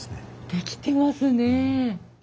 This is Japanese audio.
できてますね。